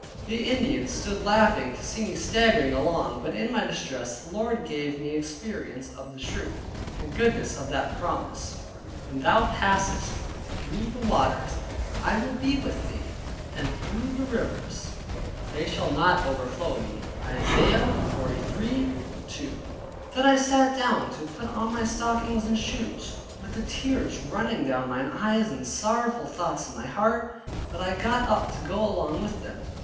The Indians stood laughing to see me staggering along; but in my distress the Lord gave me experience of the truth, and goodness of that promise, "When thou passest through the waters, I will be with thee; and through the rivers, they shall not overflow thee" (Isaiah 43.2). Then I sat down to put on my stockings and shoes, with the tears running down mine eyes, and sorrowful thoughts in my heart, but I got up to go along with them.